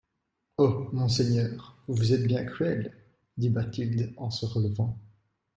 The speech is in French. Oh ! monseigneur, vous êtes bien cruel ! dit Bathilde en se relevant.